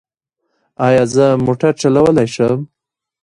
ایا زه موټر چلولی شم؟